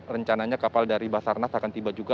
rencananya kapal dari basarnas akan tiba juga